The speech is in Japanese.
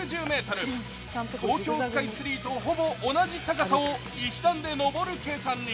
東京スカイツリーとほぼ同じ高さを石段で上る計算に。